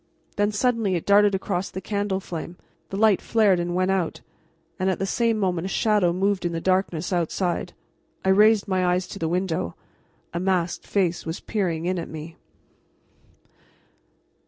Then suddenly it darted across the candle flame; the light flared and went out, and at the same moment a shadow moved in the darkness outside. I raised my eyes to the window. A masked face was peering in at me.